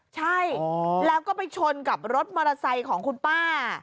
ใช่แล้วก็ไปชนกับรถมอเตอร์ไซค์ของคุณป้า